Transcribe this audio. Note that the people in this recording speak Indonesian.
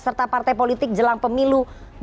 serta partai politik jelang pemilu dua ribu dua puluh